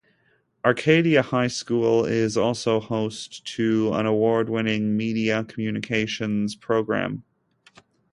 Arcadia High School is also host to an award-winning Media Communications program.